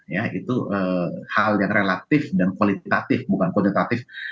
ya itu hal yang relatif dan kualitatif bukan kualitatif